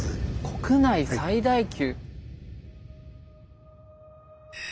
国内最大級。